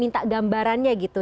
minta gambarannya gitu